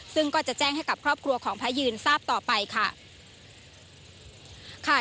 ซึ่งก็จะแจ้งให้กับครอบครัวของพระยืนทราบต่อไปค่ะ